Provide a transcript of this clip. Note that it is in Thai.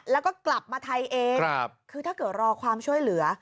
แล้วก็กลับมาไทยเองคือถ้าเกิดรอความช่วยเหลือ